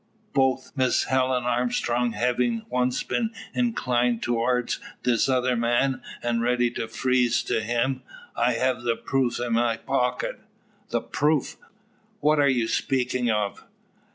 'Bout Miss Helen Armstrong hevin' once been inclined to'ardst this other man, an' ready to freeze to him, I hev' the proof in my pocket." "The proof! What are you speaking of?"